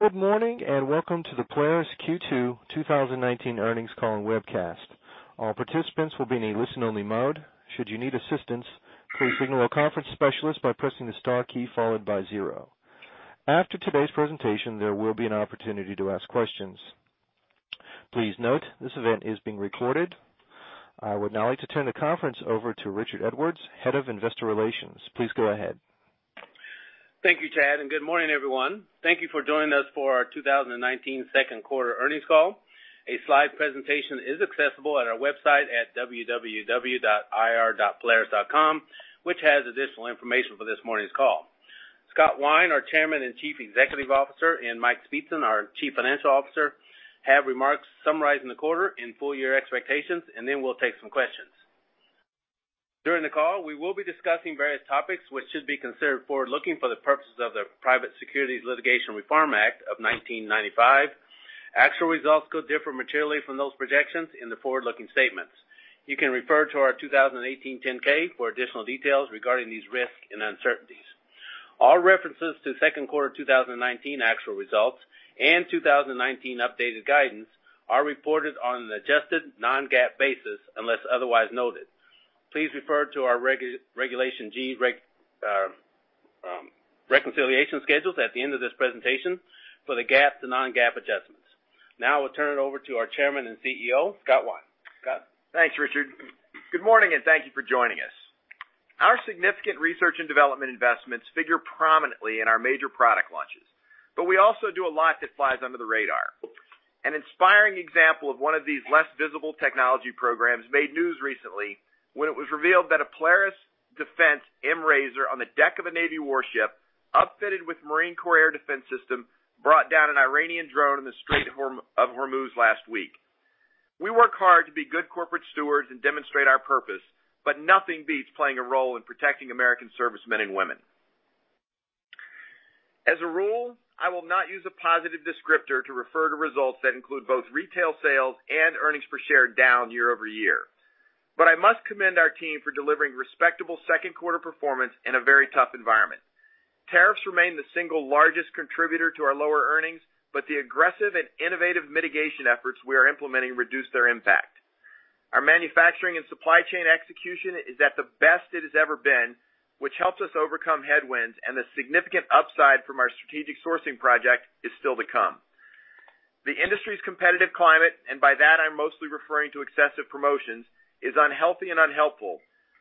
Good morning, and welcome to the Polaris Q2 2019 earnings call and webcast. All participants will be in a listen-only mode. Should you need assistance, please signal a conference specialist by pressing the star key followed by zero. After today's presentation, there will be an opportunity to ask questions. Please note this event is being recorded. I would now like to turn the conference over to Richard Edwards, Head of Investor Relations. Please go ahead. Thank you, Chad. Good morning, everyone. Thank you for joining us for our 2019 second quarter earnings call. A slide presentation is accessible at our website at www.ir.polaris.com, which has additional information for this morning's call. Scott Wine, our Chairman and Chief Executive Officer, and Mike Speetzen, our Chief Financial Officer, have remarks summarizing the quarter and full-year expectations. Then we'll take some questions. During the call, we will be discussing various topics which should be considered forward-looking for the purposes of the Private Securities Litigation Reform Act of 1995. Actual results could differ materially from those projections in the forward-looking statements. You can refer to our 2018 10-K for additional details regarding these risks and uncertainties. All references to second quarter 2019 actual results and 2019 updated guidance are reported on an adjusted non-GAAP basis unless otherwise noted. Please refer to our Regulation G reconciliation schedules at the end of this presentation for the GAAP to non-GAAP adjustments. Now we'll turn it over to our Chairman and CEO, Scott Wine. Scott? Thanks, Richard. Good morning, and thank you for joining us. Our significant research and development investments figure prominently in our major product launches, but we also do a lot that flies under the radar. An inspiring example of one of these less visible technology programs made news recently when it was revealed that a Polaris Defense MRZR on the deck of a Navy warship, upfitted with Marine Corps air defense system, brought down an Iranian drone in the Strait of Hormuz last week. We work hard to be good corporate stewards and demonstrate our purpose, but nothing beats playing a role in protecting American servicemen and women. As a rule, I will not use a positive descriptor to refer to results that include both retail sales and earnings per share down year-over-year. I must commend our team for delivering respectable second quarter performance in a very tough environment. Tariffs remain the single largest contributor to our lower earnings, but the aggressive and innovative mitigation efforts we are implementing reduce their impact. Our manufacturing and supply chain execution is at the best it has ever been, which helps us overcome headwinds and the significant upside from our strategic sourcing project is still to come. The industry's competitive climate, and by that I'm mostly referring to excessive promotions, is unhealthy and unhelpful.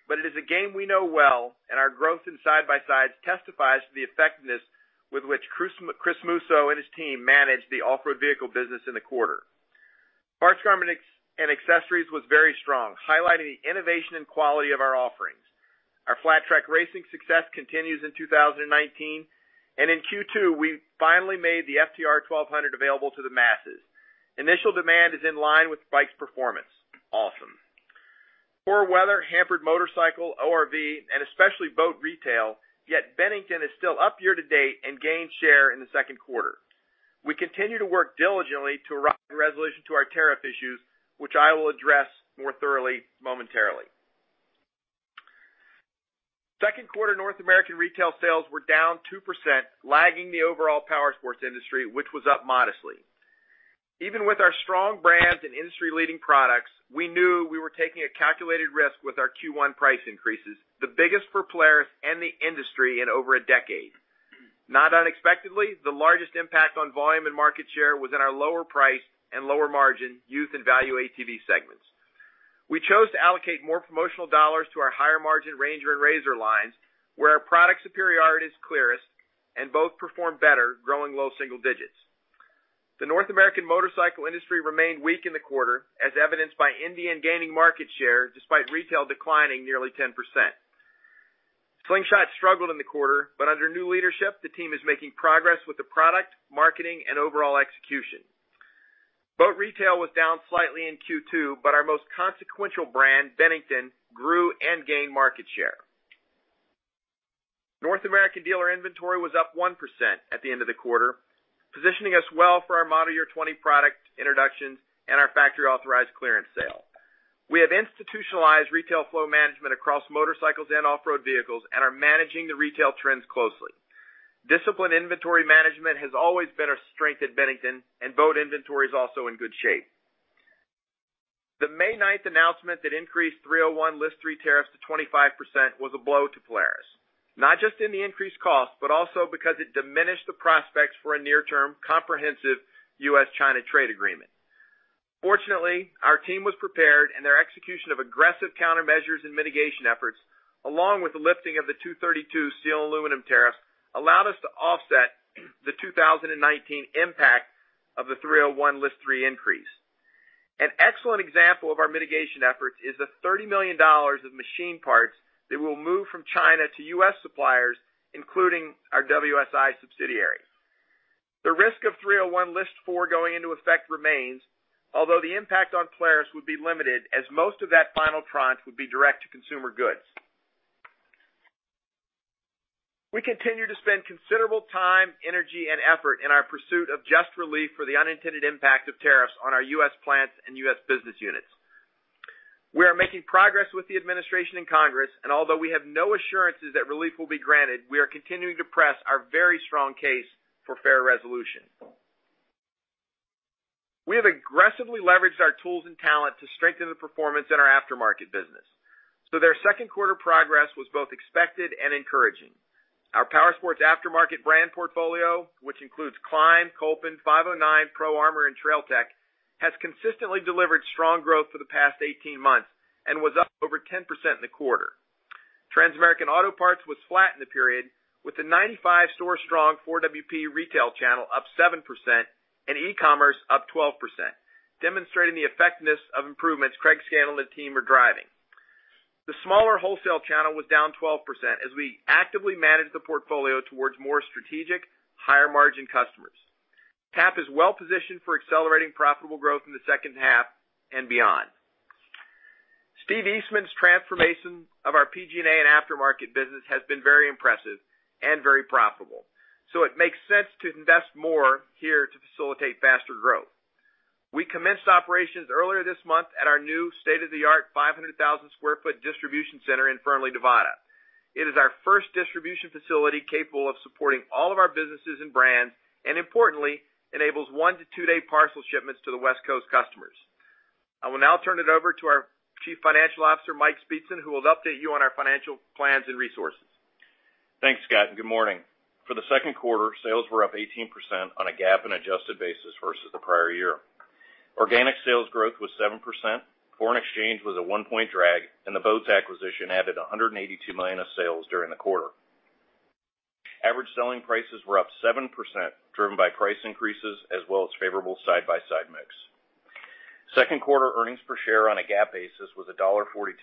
It is a game we know well and our growth in side-by-sides testifies to the effectiveness with which Chris Musso and his team managed the off-road vehicle business in the quarter. Parts, Garments, and Accessories was very strong, highlighting the innovation and quality of our offerings. Our flat track racing success continues in 2019, and in Q2, we finally made the FTR 1200 available to the masses. Initial demand is in line with the bike's performance. Awesome. Poor weather hampered motorcycle, ORV, and especially boat retail, yet Bennington is still up year to date and gained share in the second quarter. We continue to work diligently to arrive at a resolution to our tariff issues, which I will address more thoroughly momentarily. Second quarter North American retail sales were down 2%, lagging the overall powersports industry, which was up modestly. Even with our strong brands and industry-leading products, we knew we were taking a calculated risk with our Q1 price increases, the biggest for Polaris and the industry in over a decade. Not unexpectedly, the largest impact on volume and market share was in our lower price and lower margin youth and value ATV segments. We chose to allocate more promotional dollars to our higher margin RANGER and RZR lines, where our product superiority is clearest and both perform better, growing low single digits. The North American motorcycle industry remained weak in the quarter, as evidenced by Indian gaining market share despite retail declining nearly 10%. Slingshot struggled in the quarter, but under new leadership, the team is making progress with the product, marketing, and overall execution. Boat retail was down slightly in Q2, but our most consequential brand, Bennington, grew and gained market share. North American dealer inventory was up 1% at the end of the quarter, positioning us well for our model year 2020 product introductions and our Factory Authorized Clearance sale. We have institutionalized retail flow management across motorcycles and off-road vehicles and are managing the retail trends closely. Disciplined inventory management has always been a strength at Bennington, and boat inventory is also in good shape. The May 9th announcement that increased 301 List 3 tariffs to 25% was a blow to Polaris. Not just in the increased cost, but also because it diminished the prospects for a near-term comprehensive U.S.-China trade agreement. Fortunately, our team was prepared and their execution of aggressive countermeasures and mitigation efforts, along with the lifting of the 232 steel and aluminum tariffs, allowed us to offset the 2019 impact of the 301 List 3 increase. An excellent example of our mitigation efforts is the $30 million of machine parts that will move from China to U.S. suppliers, including our WSI subsidiary. The risk of 301 List 4 going into effect remains, although the impact on Polaris would be limited, as most of that final tranche would be direct-to-consumer goods. We continue to spend considerable time, energy, and effort in our pursuit of just relief for the unintended impact of tariffs on our U.S. plants and U.S. business units. We are making progress with the administration and Congress, although we have no assurances that relief will be granted, we are continuing to press our very strong case for fair resolution. We have aggressively leveraged our tools and talent to strengthen the performance in our aftermarket business. Their second quarter progress was both expected and encouraging. Our powersports aftermarket brand portfolio, which includes KLIM, Kolpin, 509, Pro Armor and Trail Tech, has consistently delivered strong growth for the past 18 months and was up over 10% in the quarter. Transamerican Auto Parts was flat in the period with a 95-store strong 4WP retail channel up 7% and e-commerce up 12%, demonstrating the effectiveness of improvements Craig Scanlon and team are driving. The smaller wholesale channel was down 12% as we actively managed the portfolio towards more strategic, higher-margin customers. TAP is well positioned for accelerating profitable growth in the second half and beyond. Steve Eastman's transformation of our PG&A and aftermarket business has been very impressive and very profitable. It makes sense to invest more here to facilitate faster growth. We commenced operations earlier this month at our new state-of-the-art 500,000 sq ft distribution center in Fernley, Nevada. It is our first distribution facility capable of supporting all of our businesses and brands, and importantly, enables one- to two-day parcel shipments to the West Coast customers. I will now turn it over to our Chief Financial Officer, Mike Speetzen, who will update you on our financial plans and resources. Thanks, Scott, and good morning. For the second quarter, sales were up 18% on a GAAP and adjusted basis versus the prior year. Organic sales growth was 7%, foreign exchange was a one-point drag, and the Boats acquisition added $182 million of sales during the quarter. Average selling prices were up 7%, driven by price increases as well as favorable side-by-side mix. Second quarter earnings per share on a GAAP basis was $1.42.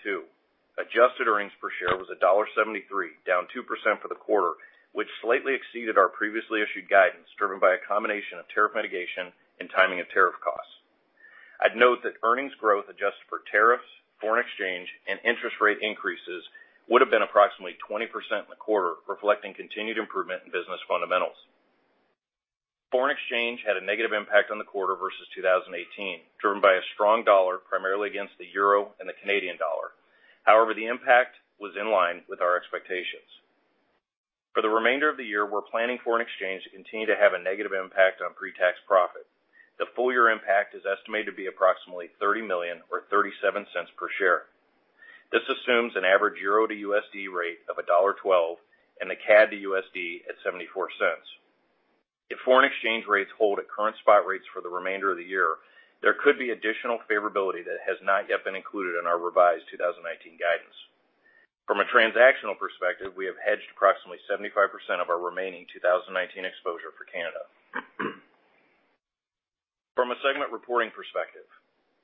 Adjusted earnings per share was $1.73, down 2% for the quarter, which slightly exceeded our previously issued guidance, driven by a combination of tariff mitigation and timing of tariff costs. I'd note that earnings growth adjusted for tariffs, foreign exchange, and interest rate increases would've been approximately 20% in the quarter, reflecting continued improvement in business fundamentals. Foreign exchange had a negative impact on the quarter versus 2018, driven by a strong dollar primarily against the euro and the Canadian dollar. The impact was in line with our expectations. For the remainder of the year, we're planning foreign exchange to continue to have a negative impact on pre-tax profit. The full year impact is estimated to be approximately $30 million or $0.37 per share. This assumes an average euro to USD rate of $1.12 and the CAD to USD at $0.74. If foreign exchange rates hold at current spot rates for the remainder of the year, there could be additional favorability that has not yet been included in our revised 2019 guidance. From a transactional perspective, we have hedged approximately 75% of our remaining 2019 exposure for Canada. From a segment reporting perspective,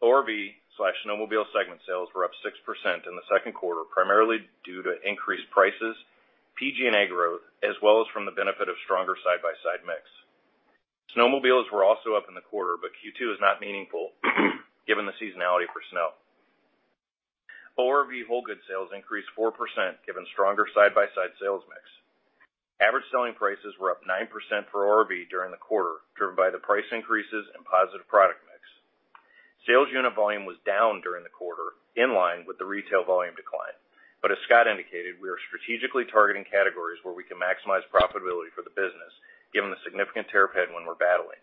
ORV/Snowmobile segment sales were up 6% in the second quarter, primarily due to increased prices, PG&A growth, as well as from the benefit of stronger side-by-side mix. Q2 is not meaningful given the seasonality for snow. ORV wholegood sales increased 4% given stronger side-by-side sales mix. Average selling prices were up 9% for ORV during the quarter, driven by the price increases and positive product mix. Sales unit volume was down during the quarter, in line with the retail volume decline. As Scott indicated, we are strategically targeting categories where we can maximize profitability for the business given the significant tariff headwind we're battling.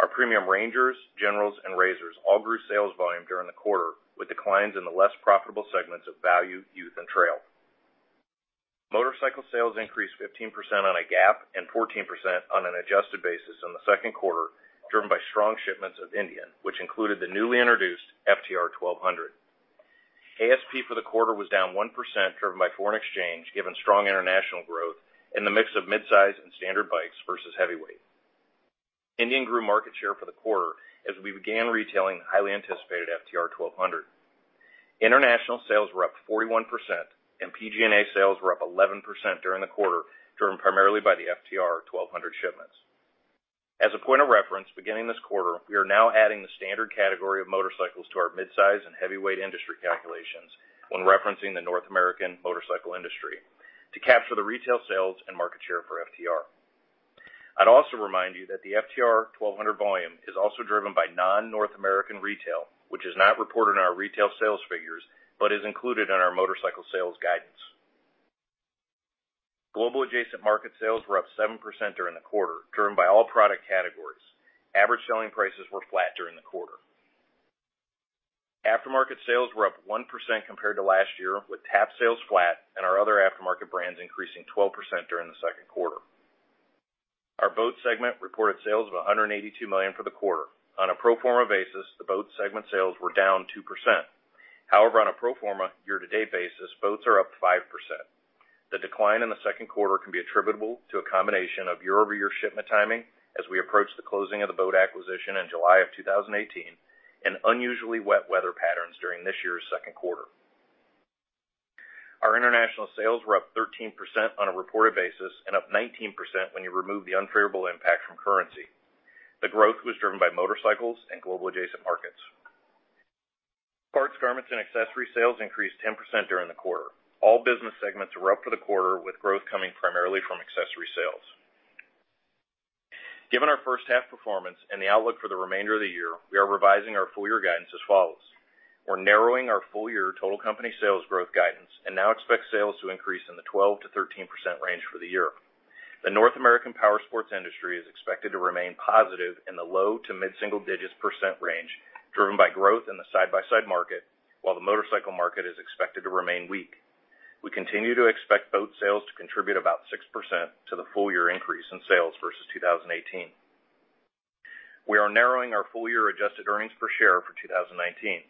Our premium RANGERs, GENERALs and RZRs all grew sales volume during the quarter with declines in the less profitable segments of value, youth, and trail. Motorcycle sales increased 15% on a GAAP and 14% on an adjusted basis in the second quarter, driven by strong shipments of Indian, which included the newly introduced FTR 1200. ASP for the quarter was down 1%, driven by foreign exchange given strong international growth and the mix of midsize and standard bikes versus heavyweight. Indian grew market share for the quarter as we began retailing the highly anticipated FTR 1200. International sales were up 41% and PG&A sales were up 11% during the quarter, driven primarily by the FTR 1200 shipments. As a point of reference, beginning this quarter, we are now adding the standard category of motorcycles to our midsize and heavyweight industry calculations when referencing the North American motorcycle industry to capture the retail sales and market share for FTR. I'd also remind you that the FTR 1200 volume is also driven by non-North American retail, which is not reported in our retail sales figures but is included in our motorcycle sales guidance. Global Adjacent Markets sales were up 7% during the quarter, driven by all product categories. Average selling prices were flat during the quarter. Aftermarket sales were up 1% compared to last year with TAP sales flat and our other aftermarket brands increasing 12% during the second quarter. Our Boats segment reported sales of $182 million for the quarter. On a pro forma basis, the Boats segment sales were down 2%. However, on a pro forma year-to-date basis, Boats are up 5%. The decline in the second quarter can be attributable to a combination of year-over-year shipment timing as we approach the closing of the Bennington acquisition in July of 2018 and unusually wet weather patterns during this year's second quarter. Our international sales were up 13% on a reported basis and up 19% when you remove the unfavorable impact from currency. The growth was driven by motorcycles and Global Adjacent Markets. Parts, Garments, and Accessories sales increased 10% during the quarter. All business segments were up for the quarter with growth coming primarily from accessory sales. Given our first half performance and the outlook for the remainder of the year, we are revising our full year guidance as follows. We're narrowing our full year total company sales growth guidance and now expect sales to increase in the 12%-13% range for the year. The North American powersports industry is expected to remain positive in the low to mid-single-digit percent range, driven by growth in the side-by-side market, while the motorcycle market is expected to remain weak. We continue to expect boat sales to contribute about 6% to the full-year increase in sales versus 2018. We are narrowing our full-year adjusted earnings per share for 2019.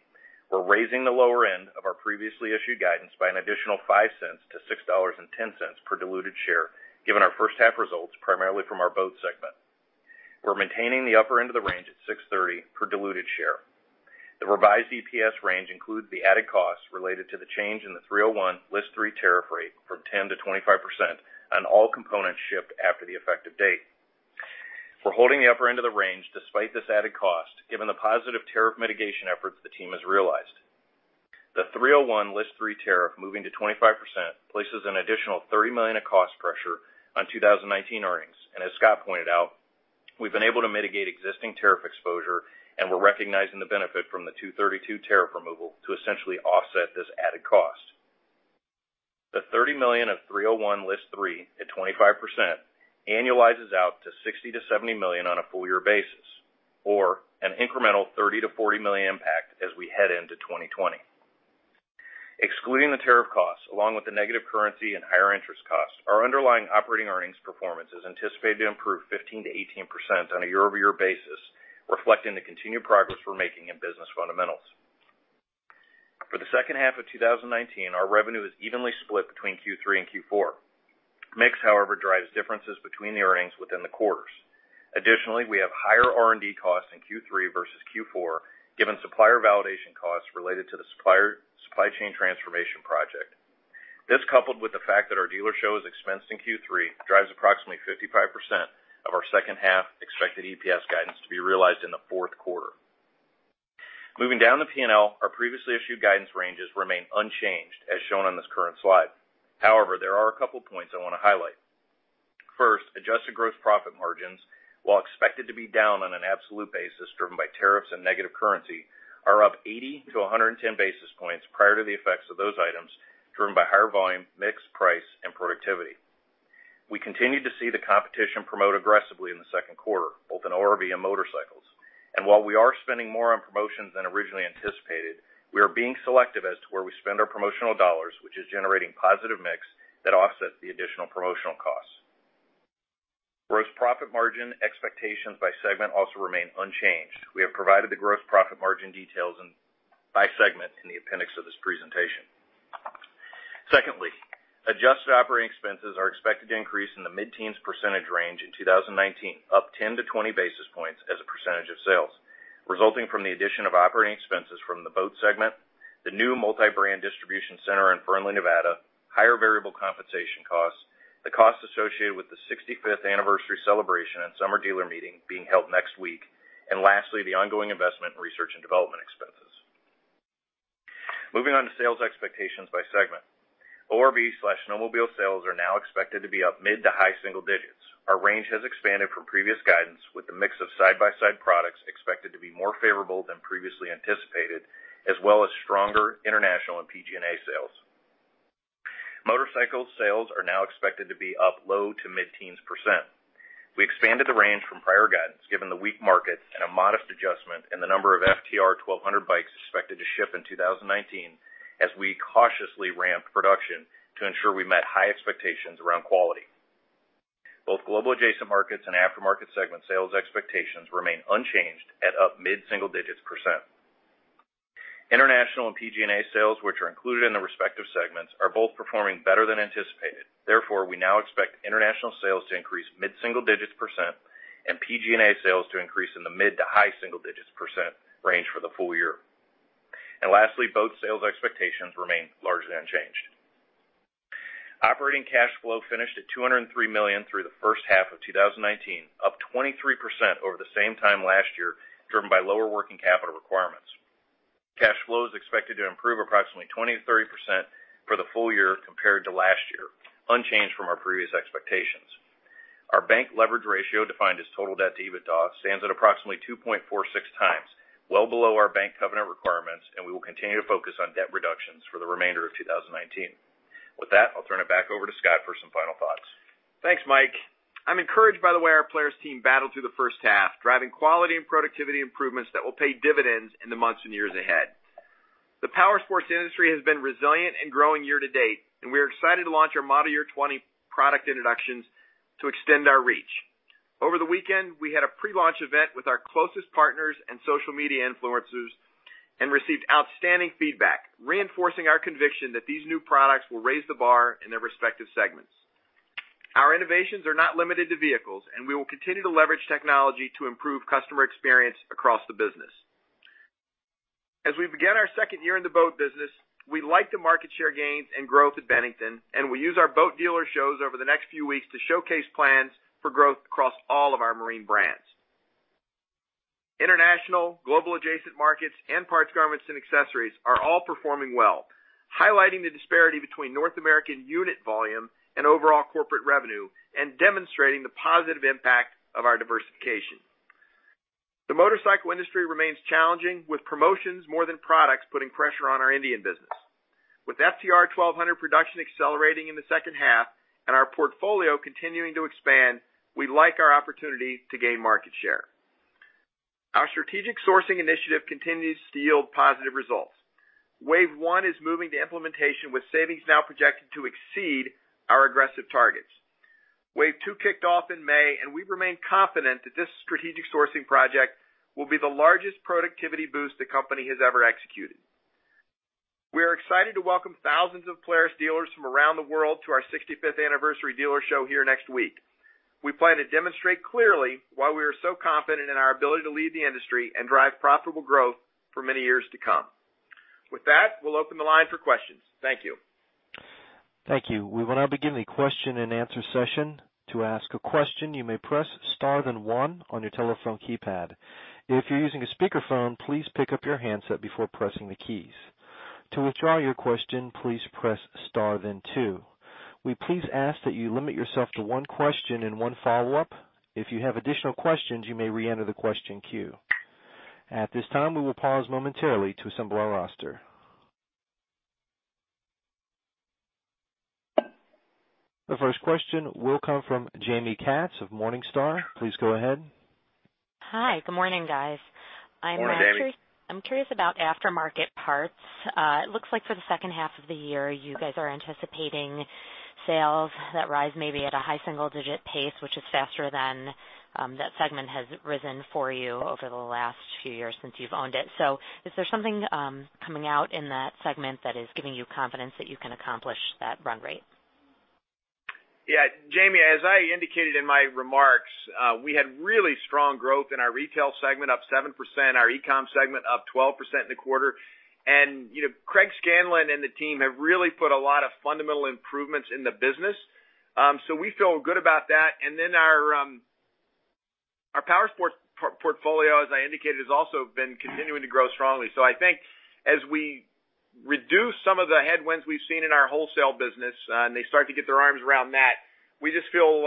We're raising the lower end of our previously issued guidance by an additional $0.05 to $6.10 per diluted share, given our first half results primarily from our Boats segment. We're maintaining the upper end of the range at $6.30 per diluted share. The revised EPS range includes the added costs related to the change in the 301 List 3 tariff rate from 10% to 25% on all components shipped after the effective date. We're holding the upper end of the range despite this added cost, given the positive tariff mitigation efforts the team has realized. The 301 List 3 tariff moving to 25% places an additional $30 million of cost pressure on 2019 earnings. As Scott pointed out, we've been able to mitigate existing tariff exposure, and we're recognizing the benefit from the 232 tariff removal to essentially offset this added cost. The $30 million of 301 List 3 at 25% annualizes out to $60 million-$70 million on a full year basis, or an incremental $30 million-$40 million impact as we head into 2020. Excluding the tariff costs, along with the negative currency and higher interest costs, our underlying operating earnings performance is anticipated to improve 15%-18% on a year-over-year basis, reflecting the continued progress we're making in business fundamentals. For the second half of 2019, our revenue is evenly split between Q3 and Q4. Mix, however, drives differences between the earnings within the quarters. Additionally, we have higher R&D costs in Q3 versus Q4, given supplier validation costs related to the supply chain transformation project. This, coupled with the fact that our dealer show is expensed in Q3, drives approximately 55% of our second half expected EPS guidance to be realized in the fourth quarter. Moving down the P&L, our previously issued guidance ranges remain unchanged, as shown on this current slide. However, there are a couple points I want to highlight. First, adjusted gross profit margins, while expected to be down on an absolute basis driven by tariffs and negative currency, are up 80-110 basis points prior to the effects of those items, driven by higher volume, mix, price, and productivity. We continue to see the competition promote aggressively in the second quarter, both in ORV and motorcycles. While we are spending more on promotions than originally anticipated, we are being selective as to where we spend our promotional dollars, which is generating positive mix that offsets the additional promotional costs. Gross profit margin expectations by segment also remain unchanged. We have provided the gross profit margin details by segment in the appendix of this presentation. Secondly, adjusted operating expenses are expected to increase in the mid-teens percentage range in 2019, up 10-20 basis points as a percentage of sales, resulting from the addition of operating expenses from the Boats segment, the new multi-brand distribution center in Fernley, Nevada, higher variable compensation costs, the costs associated with the 65th anniversary celebration and summer dealer meeting being held next week. Lastly, the ongoing investment in research and development expenses. Moving on to sales expectations by segment. ORV/Snowmobile sales are now expected to be up mid to high single digits. Our range has expanded from previous guidance with the mix of side-by-side products expected to be more favorable than previously anticipated, as well as stronger international and PG&A sales. Motorcycle sales are now expected to be up low- to mid-teens percent. We expanded the range from prior guidance, given the weak markets and a modest adjustment in the number of FTR 1200 bikes expected to ship in 2019, as we cautiously ramp production to ensure we met high expectations around quality. Both Global Adjacent Markets and aftermarket segment sales expectations remain unchanged at up mid-single digits percent. International and PG&A sales, which are included in the respective segments, are both performing better than anticipated. We now expect international sales to increase mid-single digits percent and PG&A sales to increase in the mid- to high-single digits percent range for the full year. Lastly, boat sales expectations remain largely unchanged. Operating cash flow finished at $203 million through the first half of 2019, up 23% over the same time last year, driven by lower working capital requirements. Cash flow is expected to improve approximately 20%-30% for the full year compared to last year, unchanged from our previous expectations. Our bank leverage ratio, defined as total debt to EBITDA, stands at approximately 2.46x, well below our bank covenant requirements. We will continue to focus on debt reductions for the remainder of 2019. With that, I'll turn it back over to Scott for some final thoughts. Thanks, Mike. I'm encouraged by the way our Polaris team battled through the first half, driving quality and productivity improvements that will pay dividends in the months and years ahead. The powersports industry has been resilient and growing year to date, and we are excited to launch our model year 2020 product introductions to extend our reach. Over the weekend, we had a pre-launch event with our closest partners and social media influencers and received outstanding feedback, reinforcing our conviction that these new products will raise the bar in their respective segments. Our innovations are not limited to vehicles, and we will continue to leverage technology to improve customer experience across the business. As we begin our second year in the boat business, we like the market share gains and growth at Bennington, and we use our boat dealer shows over the next few weeks to showcase plans for growth across all of our marine brands. International Global Adjacent Markets and Parts, Garments and Accessories are all performing well, highlighting the disparity between North American unit volume and overall corporate revenue and demonstrating the positive impact of our diversification. The motorcycle industry remains challenging, with promotions more than products putting pressure on our Indian business. With FTR 1200 production accelerating in the second half and our portfolio continuing to expand, we like our opportunity to gain market share. Our strategic sourcing initiative continues to yield positive results. Wave one is moving to implementation, with savings now projected to exceed our aggressive targets. Wave two kicked off in May, we remain confident that this strategic sourcing project will be the largest productivity boost the company has ever executed. We are excited to welcome thousands of Polaris dealers from around the world to our 65th anniversary dealer show here next week. We plan to demonstrate clearly why we are so confident in our ability to lead the industry and drive profitable growth for many years to come. With that, we'll open the line for questions. Thank you. Thank you. We will now begin the question and answer session. To ask a question, you may press star then one on your telephone keypad. If you're using a speakerphone, please pick up your handset before pressing the keys. To withdraw your question, please press star then two. We please ask that you limit yourself to one question and one follow-up. If you have additional questions, you may re-enter the question queue. At this time, we will pause momentarily to assemble our roster. The first question will come from Jaime Katz of Morningstar. Please go ahead. Hi. Good morning, guys. Good morning, Jaime. I'm curious about aftermarket parts. It looks like for the second half of the year, you guys are anticipating sales that rise maybe at a high single-digit pace, which is faster than that segment has risen for you over the last few years since you've owned it. Is there something coming out in that segment that is giving you confidence that you can accomplish that run rate? Yeah. Jaime, as I indicated in my remarks, we had really strong growth in our retail segment, up 7%, our e-com segment up 12% in the quarter. Craig Scanlon and the team have really put a lot of fundamental improvements in the business. We feel good about that. Our powersports portfolio, as I indicated, has also been continuing to grow strongly. I think as we reduce some of the headwinds we've seen in our wholesale business and they start to get their arms around that, we just feel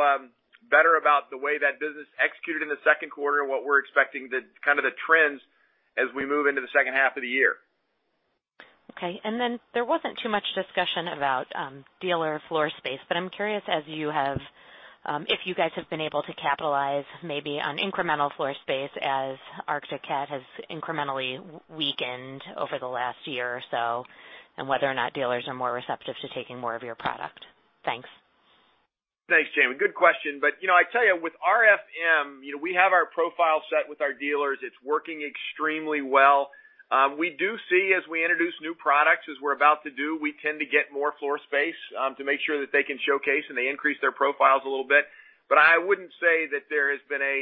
better about the way that business executed in the second quarter and what we're expecting kind of the trends as we move into the second half of the year. Okay. There wasn't too much discussion about dealer floor space, but I'm curious, if you guys have been able to capitalize maybe on incremental floor space as Arctic Cat has incrementally weakened over the last year or so, and whether or not dealers are more receptive to taking more of your product? Thanks. Thanks, Jaime. Good question. I tell you, with RFM, we have our profile set with our dealers. It's working extremely well. We do see as we introduce new products, as we're about to do, we tend to get more floor space to make sure that they can showcase and they increase their profiles a little bit. I wouldn't say that there has been a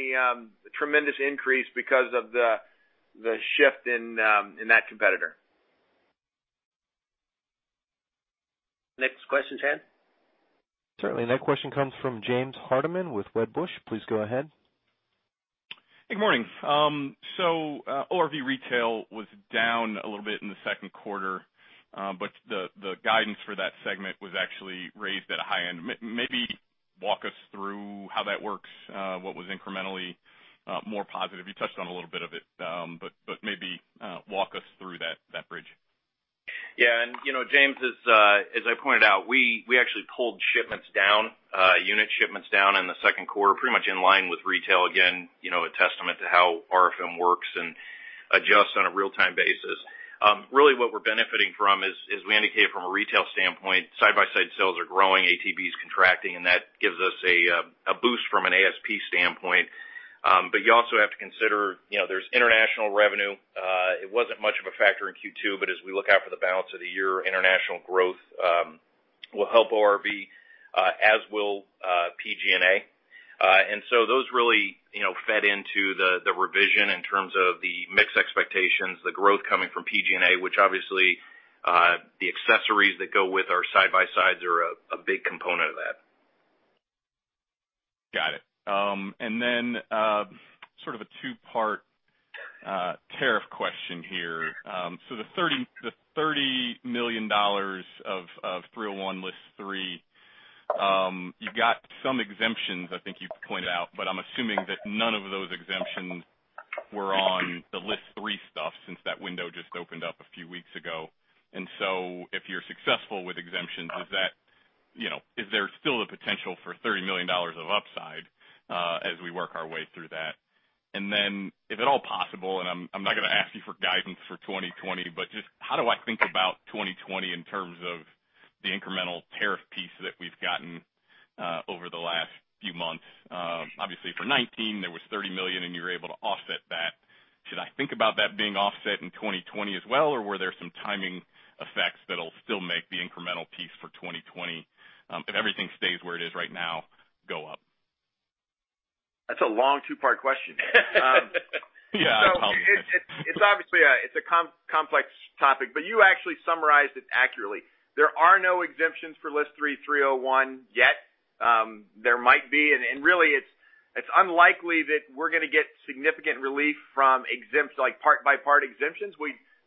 tremendous increase because of the shift in that competitor. Next question, Chad. Certainly. The next question comes from James Hardiman with Wedbush. Please go ahead. Good morning. ORV retail was down a little bit in the second quarter. The guidance for that segment was actually raised at a high end. Maybe walk us through how that works. What was incrementally more positive? You touched on a little bit of it, but maybe walk us through that bridge. Yeah. James, as I pointed out, we actually pulled unit shipments down in the second quarter, pretty much in line with retail. Again, a testament to how RFM works and adjusts on a real-time basis. Really what we're benefiting from is, as we indicated from a retail standpoint, side-by-side sales are growing, ATVs contracting, and that gives us a boost from an ASP standpoint. You also have to consider there's international revenue. It wasn't much of a factor in Q2, but as we look out for the balance of the year, international growth will help ORV, as will PG&A. Those really fed into the revision in terms of the mix expectations, the growth coming from PG&A, which obviously, the accessories that go with our side-by-sides are a big component of that. Got it. Then sort of a two-part tariff question here. So the $30 million of 301 List 3, you got some exemptions, I think you pointed out, but I'm assuming that none of those exemptions were on the List 3 stuff since that window just opened up a few weeks ago. If you're successful with exemptions, is there still a potential for $30 million of upside as we work our way through that? And then if at all possible, and I'm not going to ask you for guidance for 2020, but just how do I think about 2020 in terms of the incremental tariff piece that we've gotten over the last few months? Obviously for 2019, there was $30 million and you were able to offset that. Should I think about that being offset in 2020 as well, or were there some timing effects that'll still make the incremental piece for 2020 if everything stays where it is right now, go up? That's a long two-part question. Yeah. It's obviously a complex topic, you actually summarized it accurately. There are no exemptions for List 3 301 yet. There might be, really, it's unlikely that we're going to get significant relief from part-by-part exemptions.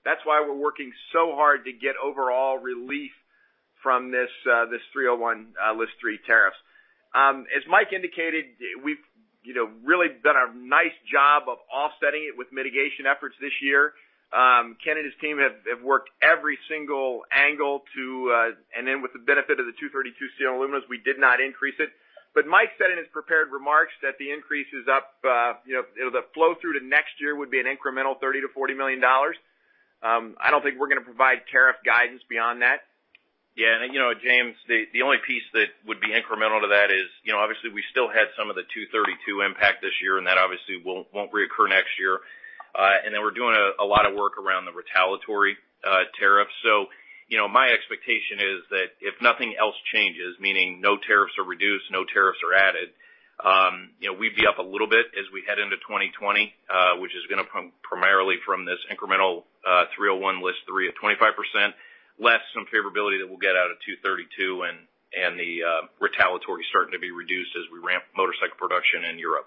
That's why we're working so hard to get overall relief from this 301 List 3 tariffs. As Mike indicated, we've really done a nice job of offsetting it with mitigation efforts this year. Ken and his team have worked every single angle and then with the benefit of the 232 steel aluminum, we did not increase it. Mike said in his prepared remarks that the increase is up, the flow-through to next year would be an incremental $30 million-$40 million. I don't think we're going to provide tariff guidance beyond that. James, the only piece that would be incremental to that is obviously we still had some of the 232 impact this year, and that obviously won't reoccur next year. We're doing a lot of work around the retaliatory tariffs. My expectation is that if nothing else changes, meaning no tariffs are reduced, no tariffs are added, we'd be up a little bit as we head into 2020, which is going to come primarily from this incremental 301 List 3 of 25%, less some favorability that we'll get out of 232 and the retaliatory starting to be reduced as we ramp motorcycle production in Europe.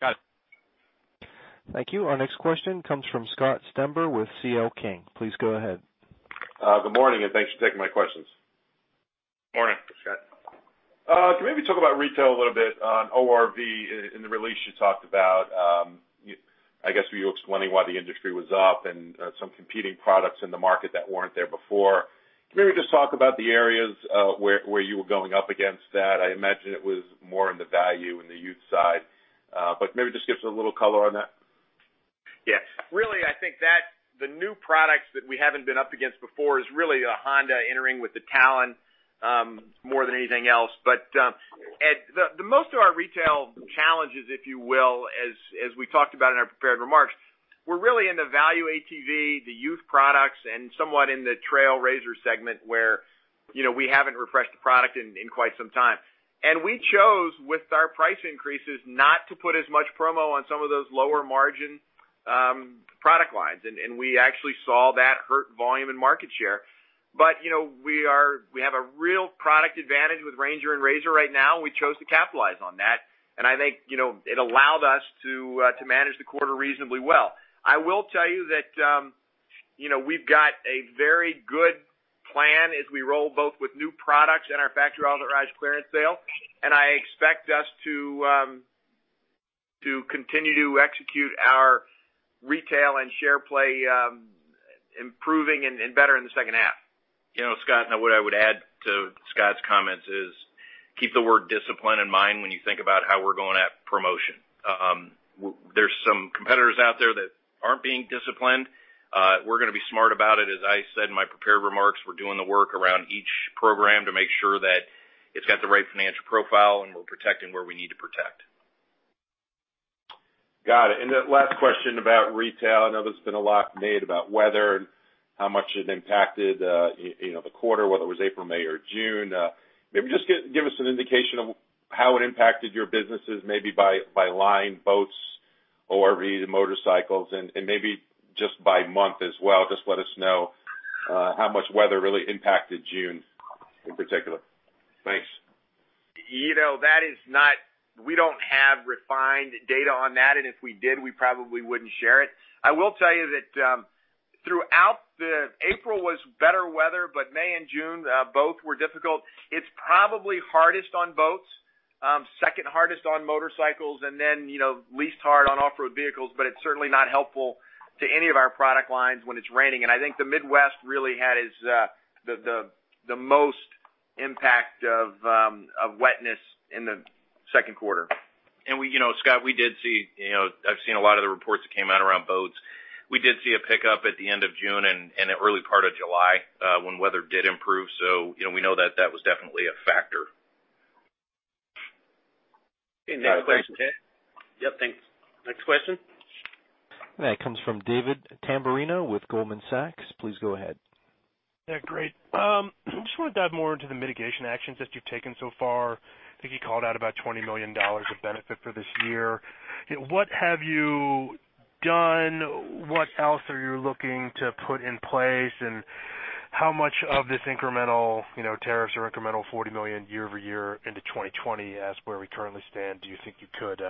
Got it. Thank you. Our next question comes from Scott Stember with C.L. King. Please go ahead. Good morning, and thanks for taking my questions. Morning. Scott. Can you maybe talk about retail a little bit on ORV? In the release, you talked about, I guess, were you explaining why the industry was up and some competing products in the market that weren't there before. Can you maybe just talk about the areas, where you were going up against that? I imagine it was more in the value and the youth side. Maybe just give us a little color on that. Yeah. Really, I think that the new products that we haven't been up against before is really Honda entering with the Talon, more than anything else. Most of our retail challenges, if you will, as we talked about in our prepared remarks, were really in the value ATV, the youth products, and somewhat in the trail RZR segment, where we haven't refreshed the product in quite some time. We chose, with our price increases, not to put as much promo on some of those lower margin product lines. We actually saw that hurt volume and market share. We have a real product advantage with RANGER and RZR right now, and we chose to capitalize on that. I think it allowed us to manage the quarter reasonably well. I will tell you that we've got a very good plan as we roll both with new products and our Factory Authorized Clearance sale. I expect us to continue to execute our retail and share play, improving and better in the second half. Scott, what I would add to Scott's comments is keep the word discipline in mind when you think about how we're going at promotion. There's some competitors out there that aren't being disciplined. We're going to be smart about it. As I said in my prepared remarks, we're doing the work around each program to make sure that it's got the right financial profile, and we're protecting where we need to protect. Got it. The last question about retail. I know there's been a lot made about weather and how much it impacted the quarter, whether it was April, May, or June. Maybe just give us an indication of how it impacted your businesses, maybe by line, boats, ORVs, and motorcycles, and maybe just by month as well. Just let us know how much weather really impacted June in particular. Thanks. We don't have refined data on that, and if we did, we probably wouldn't share it. I will tell you that April was better weather, but May and June, both were difficult. It's probably hardest on boats, second hardest on motorcycles, and then least hard on off-road vehicles, but it's certainly not helpful to any of our product lines when it's raining. I think the Midwest really had the most impact of wetness in the second quarter. Scott, I've seen a lot of the reports that came out around boats. We did see a pickup at the end of June and in early part of July, when weather did improve. We know that was definitely a factor. Okay. Thanks. Yep. Thanks. Next question. That comes from David Tamberrino with Goldman Sachs. Please go ahead. Yeah, great. I just want to dive more into the mitigation actions that you've taken so far. I think you called out about $20 million of benefit for this year. What have you done? What else are you looking to put in place? How much of this incremental tariffs or incremental $40 million year-over-year into 2020 as where we currently stand, do you think you could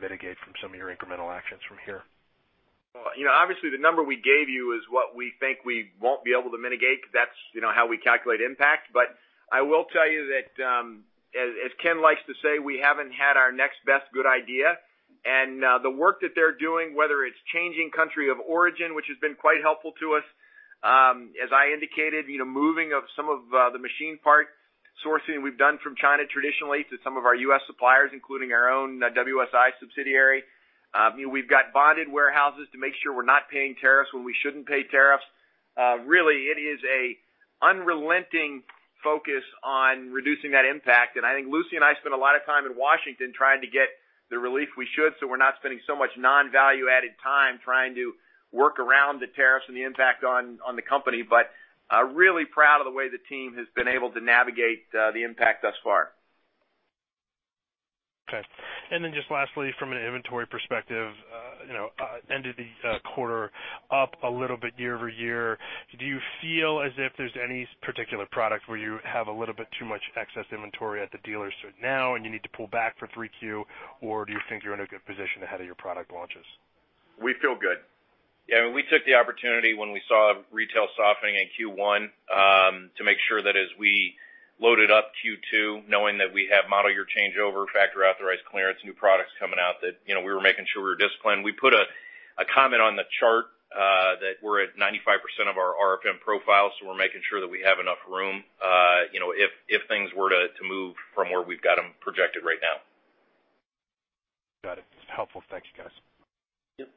mitigate from some of your incremental actions from here? Obviously, the number we gave you is what we think we won't be able to mitigate because that's how we calculate impact. I will tell you that, as Ken likes to say, we haven't had our next best good idea. The work that they're doing, whether it's changing country of origin, which has been quite helpful to us. As I indicated, moving of some of the machine part sourcing we've done from China traditionally to some of our U.S. suppliers, including our own WSI subsidiary. We've got bonded warehouses to make sure we're not paying tariffs when we shouldn't pay tariffs. Really it is a unrelenting focus on reducing that impact. I think Lucy and I spent a lot of time in Washington trying to get the relief we should so we're not spending so much non-value added time trying to work around the tariffs and the impact on the company. Really proud of the way the team has been able to navigate the impact thus far. Okay. Then just lastly, from an inventory perspective, end of the quarter up a little bit year-over-year. Do you feel as if there's any particular product where you have a little bit too much excess inventory at the dealers now and you need to pull back for 3Q, or do you think you're in a good position ahead of your product launches? We feel good. Yeah, we took the opportunity when we saw retail softening in Q1 to make sure that as we loaded up Q2, knowing that we have model year changeover, Factory Authorized Clearance, new products coming out, that we were making sure we were disciplined. We put a comment on the chart that we're at 95% of our RFM profile. We're making sure that we have enough room if things were to move from where we've got them projected right now. Got it. Helpful. Thank you, guys. Yep.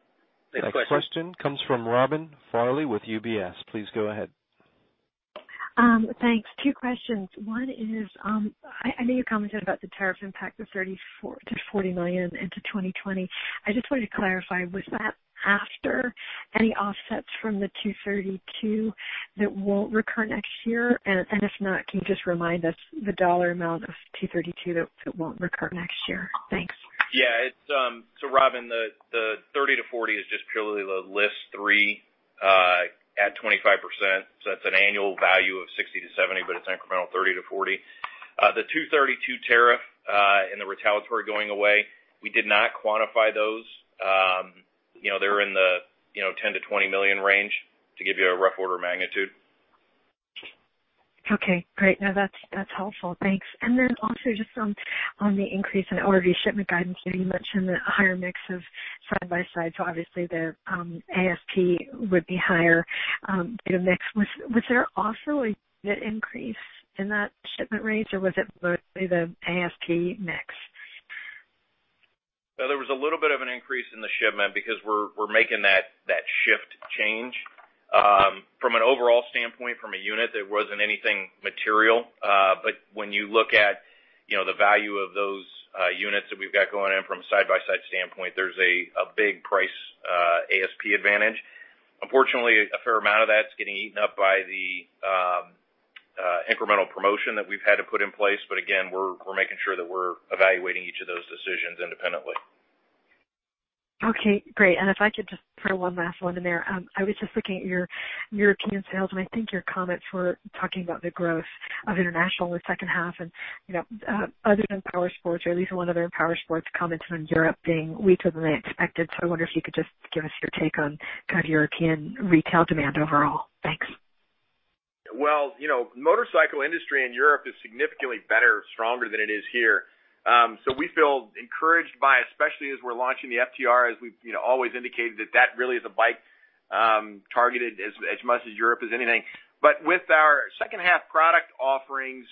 Next question. The next question comes from Robin Farley with UBS. Please go ahead. Thanks. Two questions. One is, I know you commented about the tariff impact of $30 million-$40 million into 2020. I just wanted to clarify, was that after any offsets from the 232 that won't recur next year? If not, can you just remind us the dollar amount of 232 that won't recur next year? Thanks. Robin, the $30 million-$40 million is just purely the List 3 at 25%. That's an annual value of $60 million-$70 million, but it's incremental $30 million-$40 million. The 232 tariff and the retaliatory going away, we did not quantify those. They're in the $10 million-$20 million range to give you a rough order of magnitude. Okay, great. No, that's helpful. Thanks. Also just on the increase in order shipment guidance, you mentioned the higher mix of side-by-sides. Obviously, their ASP would be higher mix. Was there also a unit increase in that shipment rates or was it mostly the ASP mix? There was a little bit of an increase in the shipment because we're making that shift change. From an overall standpoint, from a unit, there wasn't anything material. When you look at the value of those units that we've got going in from a side-by-side standpoint, there's a big price ASP advantage. Unfortunately, a fair amount of that's getting eaten up by the incremental promotion that we've had to put in place. Again, we're making sure that we're evaluating each of those decisions independently. Okay, great. If I could just throw one last one in there. I was just looking at your European sales, and I think your comments were talking about the growth of international in the second half. Other than powersports, or at least one other than powersports commented on Europe being weaker than they expected. I wonder if you could just give us your take on kind of European retail demand overall. Thanks. Well, motorcycle industry in Europe is significantly better, stronger than it is here. We feel encouraged by, especially as we're launching the FTR, as we've always indicated that that really is a bike targeted as much as Europe as anything. With our second half product offerings,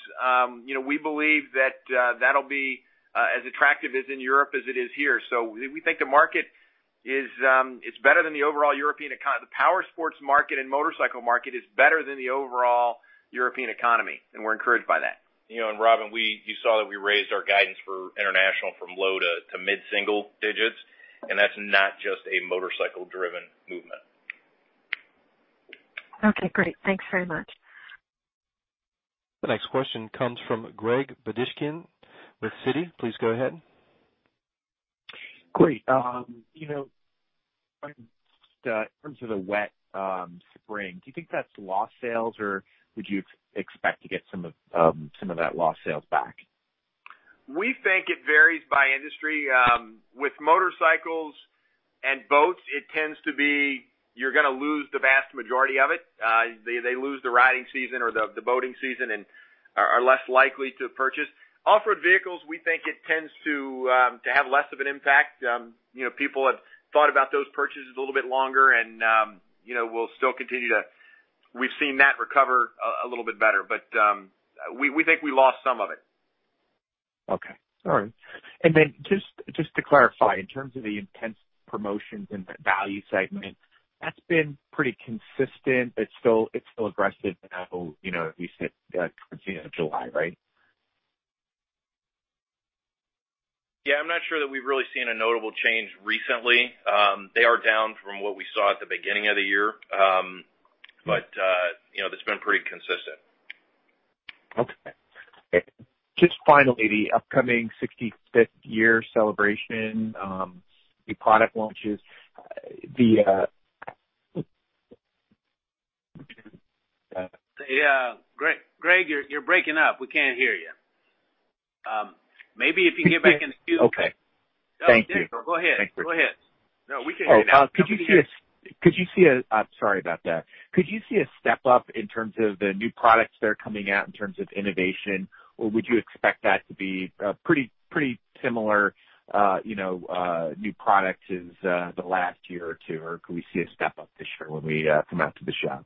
we believe that that'll be as attractive as in Europe as it is here. We think the market is better than the overall European economy. The powersports market and motorcycle market is better than the overall European economy, and we're encouraged by that. Robin, you saw that we raised our guidance for international from low to mid-single digits, and that's not just a motorcycle-driven movement. Okay, great. Thanks very much. The next question comes from Greg Badishkanian with Citi. Please go ahead. Great. In terms of the wet spring, do you think that's lost sales, or would you expect to get some of that lost sales back? We think it varies by industry. With motorcycles and boats, it tends to be you're going to lose the vast majority of it. They lose the riding season or the boating season and are less likely to purchase. Off-road vehicles, we think it tends to have less of an impact. People have thought about those purchases a little bit longer. We've seen that recover a little bit better, but we think we lost some of it. Okay. All right. Then just to clarify, in terms of the intense promotions in the value segment, that's been pretty consistent. It's still aggressive now at least at the end of July, right? Yeah, I'm not sure that we've really seen a notable change recently. They are down from what we saw at the beginning of the year. That's been pretty consistent. Okay. Just finally, the upcoming 65th year celebration, the product launches. Yeah. Greg, you're breaking up. We can't hear you. Maybe if you get back in the queue. Okay. Thank you. No, go ahead. Thank you. Go ahead. No, we can hear you now. Sorry about that. Could you see a step-up in terms of the new products that are coming out in terms of innovation, or would you expect that to be pretty similar new products as the last year or two? Or could we see a step-up this year when we come out to the show?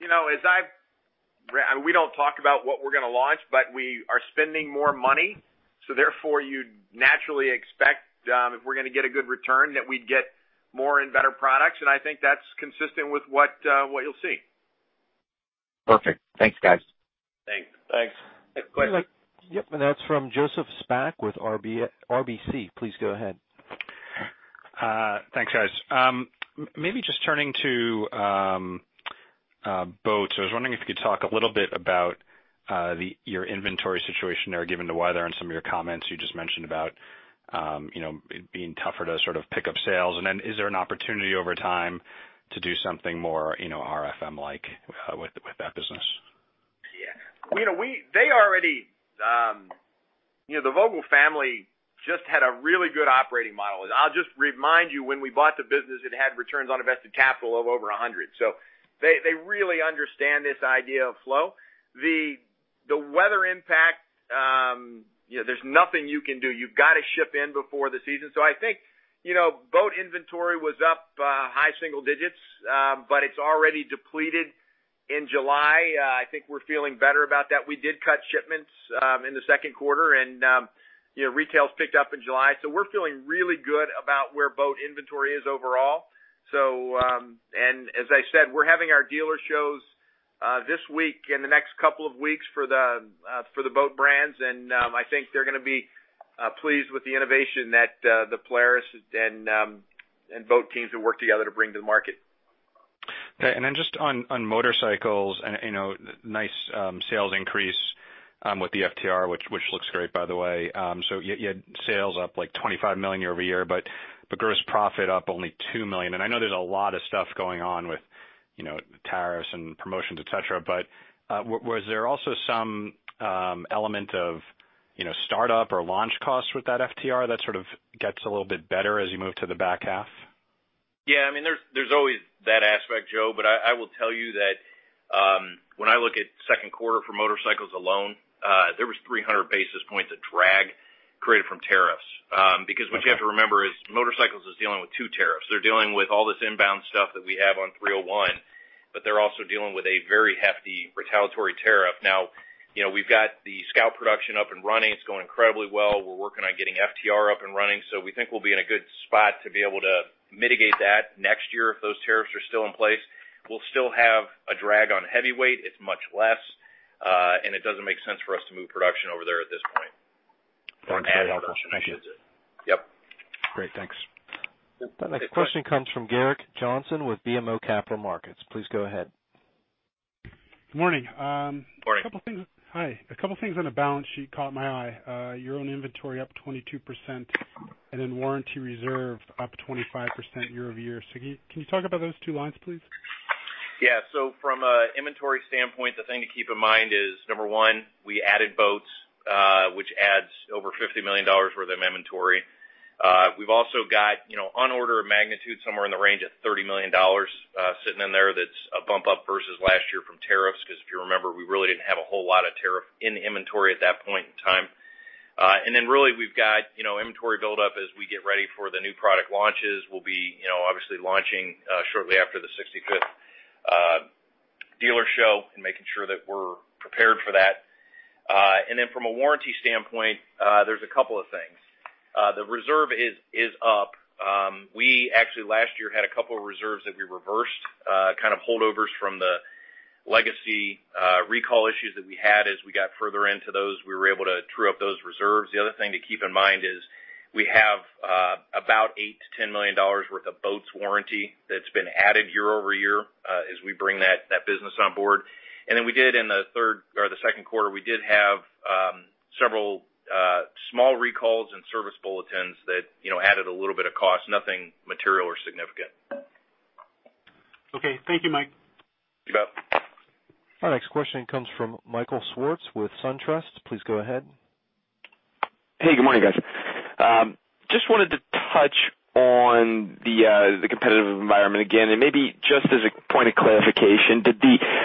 We don't talk about what we're going to launch, but we are spending more money. Therefore, you'd naturally expect if we're going to get a good return, that we'd get more and better products, and I think that's consistent with what you'll see. Perfect. Thanks, guys. Thanks. Thanks. Yep, that's from Joseph Spak with RBC Capital Markets. Please go ahead. Thanks, guys. Maybe just turning to boats. I was wondering if you could talk a little bit about your inventory situation there, given the weather and some of your comments you just mentioned about it being tougher to sort of pick up sales. Is there an opportunity over time to do something more RFM-like with that business? Yeah. The Vogel family just had a really good operating model. I'll just remind you, when we bought the business, it had returns on invested capital of over 100. They really understand this idea of flow. The weather impact, there's nothing you can do. You've got to ship in before the season. I think boat inventory was up high single digits, but it's already depleted in July. I think we're feeling better about that. We did cut shipments in the second quarter, and retail's picked up in July. We're feeling really good about where boat inventory is overall. As I said, we're having our dealer shows this week and the next couple of weeks for the boat brands. I think they're going to be pleased with the innovation that the Polaris and boat teams have worked together to bring to the market. Okay, just on motorcycles, nice sales increase with the FTR, which looks great by the way. You had sales up like $25 million year-over-year, but gross profit up only $2 million. I know there's a lot of stuff going on with tariffs and promotions, et cetera, but was there also some element of startup or launch costs with that FTR that sort of gets a little bit better as you move to the back half? There's always that aspect, Joe, I will tell you that when I look at second quarter for motorcycles alone, there was 300 basis points of drag created from tariffs. What you have to remember is motorcycles is dealing with two tariffs. They're dealing with all this inbound stuff that we have on 301, but they're also dealing with a very hefty retaliatory tariff. We've got the Scout production up and running. It's going incredibly well. We're working on getting FTR up and running. We think we'll be in a good spot to be able to mitigate that next year if those tariffs are still in place. We'll still have a drag on heavyweight, it's much less, and it doesn't make sense for us to move production over there at this point. Thanks. That's helpful. Thank you. Yep. Great. Thanks. Yep. Good question. Our next question comes from Gerrick Johnson with BMO Capital Markets. Please go ahead. Good morning. Morning. Hi. A couple things on the balance sheet caught my eye. Year-on-inventory up 22%, and then warranty reserve up 25% year-over-year. Can you talk about those two lines, please? Yeah. From an inventory standpoint, the thing to keep in mind is, number one, we added boats, which adds over $50 million worth of inventory. We've also got on order of magnitude somewhere in the range of $30 million sitting in there, that's a bump up versus last year from tariffs, because if you remember, we really didn't have a whole lot of tariff in inventory at that point in time. Really we've got inventory buildup as we get ready for the new product launches. We'll be obviously launching shortly after the 65th dealer show and making sure that we're prepared for that. From a warranty standpoint, there's a couple of things. The reserve is up. We actually last year had a couple of reserves that we reversed, kind of holdovers from the legacy recall issues that we had. As we got further into those, we were able to true up those reserves. The other thing to keep in mind is we have about $8 million-$10 million worth of boats warranty that's been added year-over-year as we bring that business on board. Then we did in the second quarter, we did have several small recalls and service bulletins that added a little bit of cost. Nothing material or significant. Okay. Thank you, Mike. You bet. Our next question comes from Michael Swartz with SunTrust. Please go ahead. Hey, good morning, guys. Just wanted to touch on the competitive environment again, and maybe just as a point of clarification,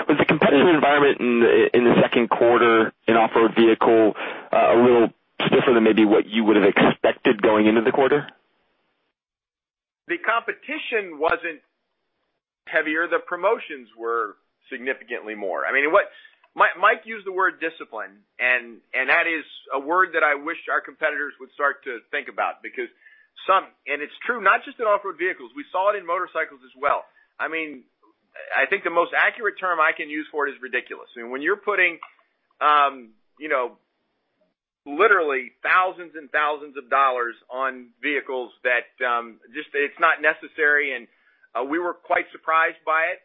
was the competitive environment in the second quarter in off-road vehicle a little stiffer than maybe what you would have expected going into the quarter? The competition wasn't heavier. The promotions were significantly more. Mike used the word discipline, that is a word that I wish our competitors would start to think about because some, it's true not just in off-road vehicles. We saw it in motorcycles as well. I think the most accurate term I can use for it is ridiculous. When you're putting literally thousands and thousands of dollars on vehicles that it's not necessary, we were quite surprised by it.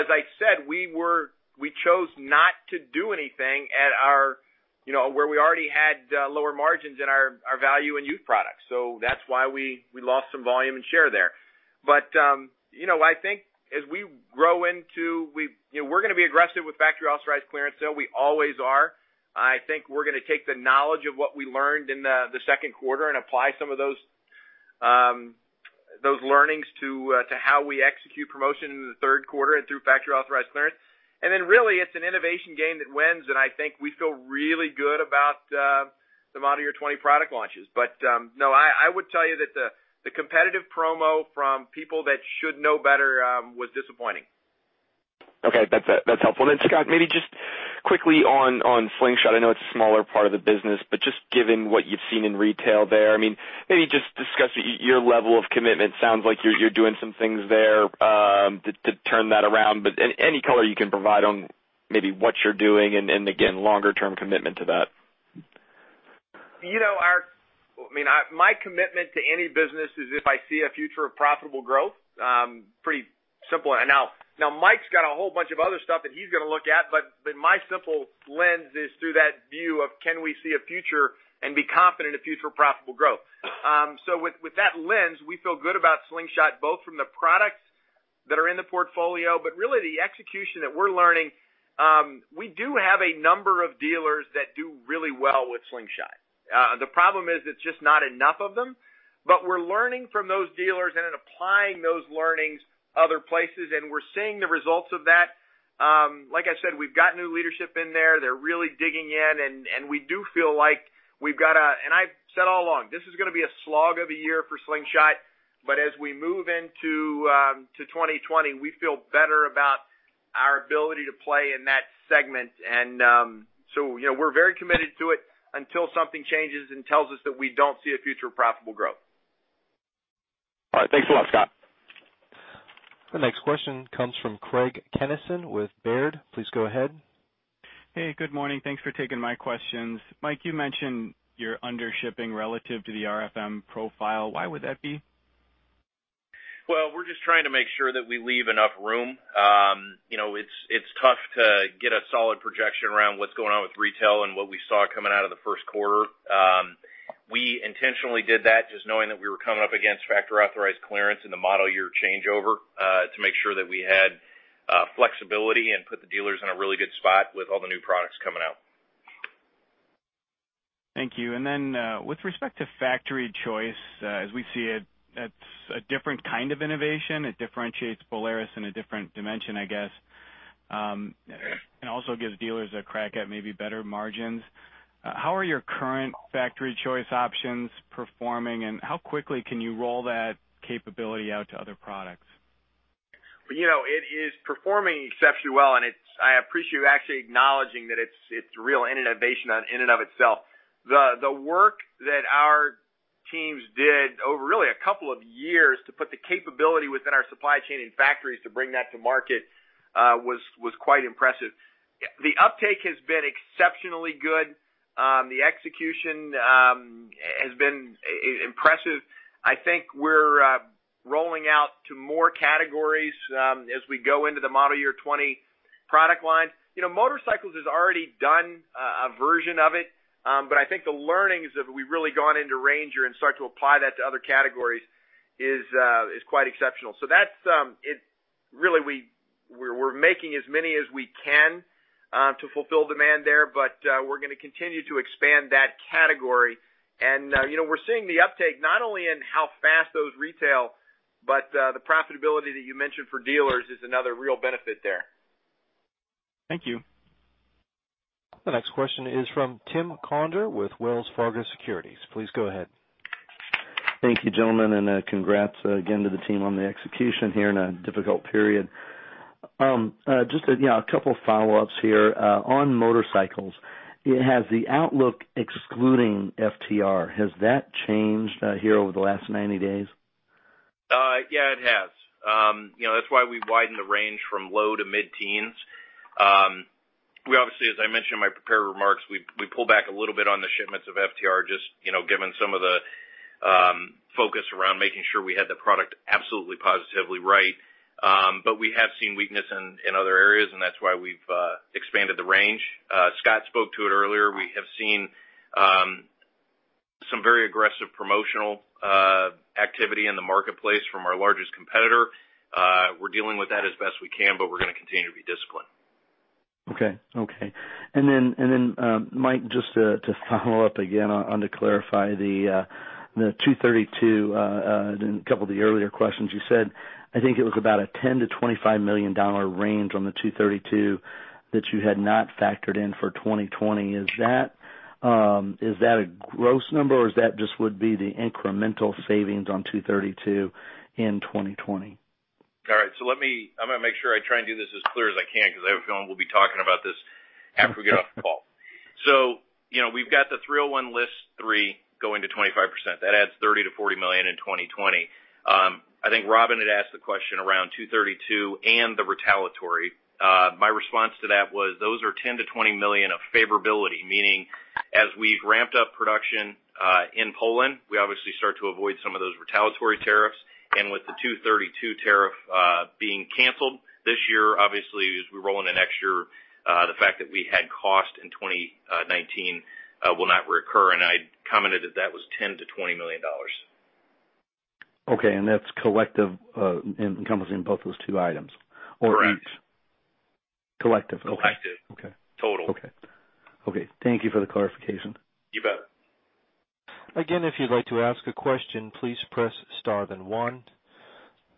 As I said, we chose not to do anything where we already had lower margins in our value and youth products. That's why we lost some volume and share there. I think as we're going to be aggressive with Factory Authorized Clearance sale. We always are. I think we're going to take the knowledge of what we learned in the second quarter and apply some of those learnings to how we execute promotion in the third quarter and through Factory Authorized Clearance. Really it's an innovation game that wins, and I think we feel really good about the model year 2020 product launches. No, I would tell you that the competitive promo from people that should know better was disappointing. Okay, that's helpful. Scott, maybe just quickly on Slingshot, I know it's a smaller part of the business, but just given what you've seen in retail there, maybe just discuss. Your level of commitment sounds like you're doing some things there to turn that around. Any color you can provide on maybe what you're doing and, again, longer-term commitment to that? My commitment to any business is if I see a future of profitable growth, pretty simple. Mike's got a whole bunch of other stuff that he's going to look at, but my simple lens is through that view of can we see a future and be confident a future of profitable growth? With that lens, we feel good about Slingshot, both from the products that are in the portfolio, but really the execution that we're learning. We do have a number of dealers that do really well with Slingshot. The problem is it's just not enough of them. We're learning from those dealers and then applying those learnings other places, and we're seeing the results of that. Like I said, we've got new leadership in there. They're really digging in. We do feel like I've said all along, this is going to be a slog of a year for Slingshot. As we move into 2020, we feel better about our ability to play in that segment. We're very committed to it until something changes and tells us that we don't see a future of profitable growth. All right. Thanks a lot, Scott. The next question comes from Craig Kennison with Baird. Please go ahead. Hey, good morning. Thanks for taking my questions. Mike, you mentioned you're under shipping relative to the RFM profile. Why would that be? Well, we're just trying to make sure that we leave enough room. It's tough to get a solid projection around what's going on with retail and what we saw coming out of the first quarter. We intentionally did that just knowing that we were coming up against Factory Authorized Clearance and the model year changeover to make sure that we had flexibility and put the dealers in a really good spot with all the new products coming out. Thank you. With respect to Factory Choice, as we see it, that's a different kind of innovation. It differentiates Polaris in a different dimension, I guess. Also gives dealers a crack at maybe better margins. How are your current Factory Choice options performing, and how quickly can you roll that capability out to other products? It is performing exceptionally well, I appreciate you actually acknowledging that it's real innovation in and of itself. The work that our teams did over really a couple of years to put the capability within our supply chain and factories to bring that to market was quite impressive. The uptake has been exceptionally good. The execution has been impressive. I think we're rolling out to more categories as we go into the model year 20 product line. Motorcycles has already done a version of it. I think the learnings of, we've really gone into RANGER and start to apply that to other categories, is quite exceptional. Really, we're making as many as we can to fulfill demand there. We're going to continue to expand that category. We're seeing the uptake, not only in how fast those retail, but the profitability that you mentioned for dealers is another real benefit there. Thank you. The next question is from Tim Conder with Wells Fargo Securities. Please go ahead. Thank you, gentlemen. Congrats again to the team on the execution here in a difficult period. Just a couple follow-ups here. On motorcycles, has the outlook excluding FTR, has that changed here over the last 90 days? Yeah, it has. That's why we widened the range from low to mid-teens. We obviously, as I mentioned in my prepared remarks, we pulled back a little bit on the shipments of FTR, just given some of the focus around making sure we had the product absolutely, positively right. We have seen weakness in other areas, and that's why we've expanded the range. Scott spoke to it earlier. We have seen some very aggressive promotional activity in the marketplace from our largest competitor. We're dealing with that as best we can, but we're going to continue to be disciplined. Okay. Mike, just to follow up again and to clarify the 232 in a couple of the earlier questions you said, I think it was about a $10 million-$25 million range on the 232 that you had not factored in for 2020. Is that a gross number, or is that just would be the incremental savings on 232 in 2020? All right. I'm going to make sure I try and do this as clear as I can because everyone will be talking about this after we get off the call. We've got the Section 301 List 3 going to 25%. That adds $30 million-$40 million in 2020. I think Robin had asked the question around Section 232 and the retaliatory. My response to that was those are $10 million-$20 million of favorability, meaning as we've ramped up production in Poland, we obviously start to avoid some of those retaliatory tariffs. With the Section 232 tariff being canceled this year, obviously as we roll in the next year, the fact that we had cost in 2019 will not recur. I commented that that was $10 million-$20 million. Okay. That's collective encompassing both those two items? Correct. Each? Collective. Okay. Collective. Okay. Total. Okay. Thank you for the clarification. You bet. Again, if you'd like to ask a question, please press star then one.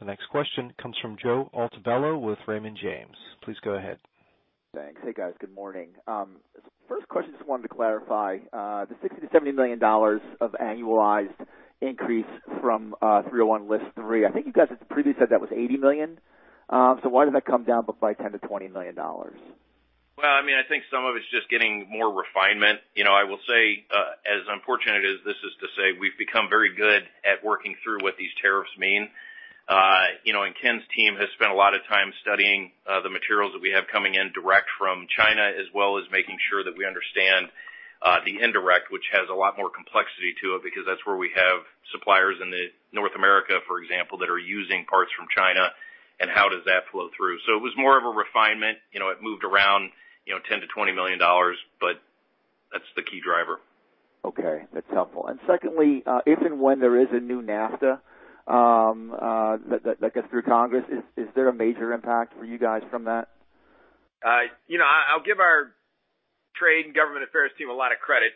The next question comes from Joe Altobello with Raymond James. Please go ahead. Thanks. Hey, guys. Good morning. First question, just wanted to clarify. The $60 million-$70 million of annualized increase from 301 List 3, I think you guys had previously said that was $80 million. Why did that come down by $10 million-$20 million? Well, I think some of it's just getting more refinement. I will say, as unfortunate as this is to say, we've become very good at working through what these tariffs mean. Ken's team has spent a lot of time studying the materials that we have coming in direct from China, as well as making sure that we understand the indirect, which has a lot more complexity to it, because that's where we have suppliers in the North America, for example, that are using parts from China and how does that flow through. It was more of a refinement. It moved around $10 million-$20 million, but that's the key driver. Okay, that's helpful. Secondly, if and when there is a new NAFTA that gets through Congress, is there a major impact for you guys from that? I'll give our trade and government affairs team a lot of credit.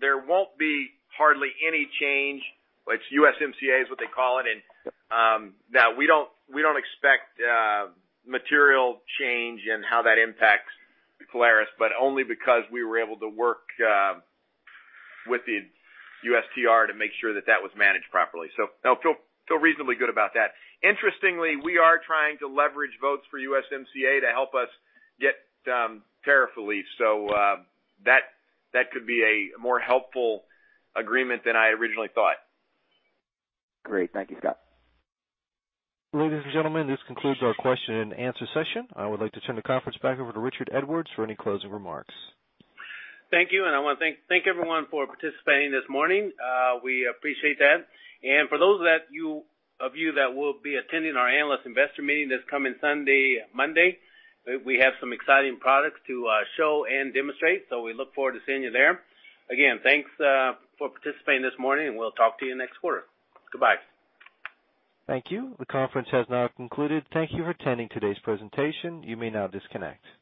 There won't be hardly any change. It's USMCA is what they call it. We don't expect material change in how that impacts Polaris, but only because we were able to work with the USTR to make sure that that was managed properly. I feel reasonably good about that. Interestingly, we are trying to leverage votes for USMCA to help us get tariff relief, so that could be a more helpful agreement than I originally thought. Great. Thank you, Scott. Ladies and gentlemen, this concludes our question and answer session. I would like to turn the conference back over to Richard Edwards for any closing remarks. Thank you. I want to thank everyone for participating this morning. We appreciate that. For those of you that will be attending our analyst investor meeting this coming Sunday, Monday, we have some exciting products to show and demonstrate, so we look forward to seeing you there. Again, thanks for participating this morning, and we'll talk to you next quarter. Goodbye. Thank you. The conference has now concluded. Thank you for attending today's presentation. You may now disconnect.